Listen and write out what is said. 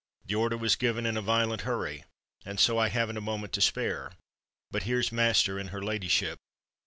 "The order was given in a violent hurry—and so I haven't a moment to spare. But here's master and her ladyship."